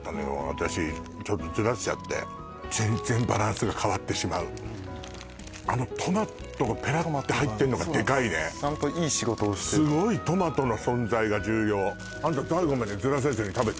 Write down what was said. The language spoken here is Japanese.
私ちょっとズラしちゃって全然バランスが変わってしまうあのトマトがペラッて入ってんのがデカいねすごいトマトの存在が重要あんた最後までズラさずに食べた？